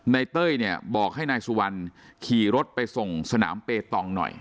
เต้ยเนี่ยบอกให้นายสุวรรณขี่รถไปส่งสนามเปตองหน่อย